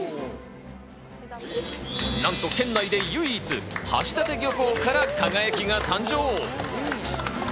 なんと県内で唯一、橋立漁港から「輝」が誕生。